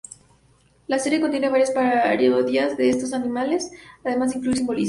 La serie contiene varias parodias de otros animes, además de incluir simbolismos.